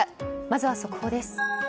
まずは速報です。